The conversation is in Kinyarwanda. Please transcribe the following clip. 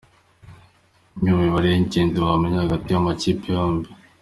Imwe mu mibare y’ingenzi wamenya hagati y’amakipe yombi